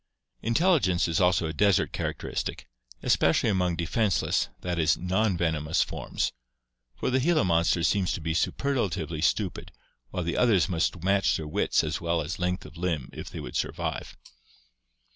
Intelligence is also a desert characteristic, especially among defenseless, that is, non venomous forms, for the Gila monster seems to be superlatively stupid while the others must match their wits as well as length of limb if they would survive.